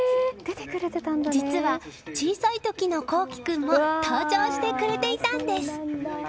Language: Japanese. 実は、小さい時の功貴君も登場してくれていたんです！